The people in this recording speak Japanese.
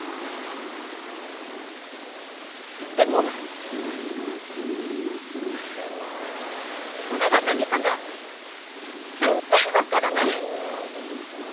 でもそれが何かが全然分からない。